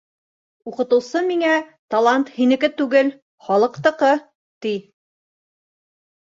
Уҡытыусы миңә: «Талант һинеке түгел - халыҡтыҡы!» - ти.